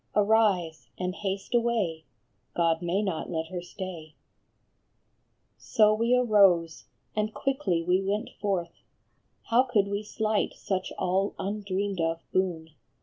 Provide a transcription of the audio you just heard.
Arise, and haste away ; God may not let her stay." 74 ONLY A DREAM. So we arose, and quickly we went forth ; How could we slight such all undreamed of boon